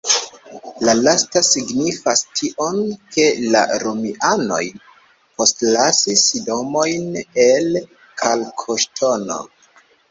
La lasta signifas tion, ke la romianoj postlasis domojn el kalkoŝtono.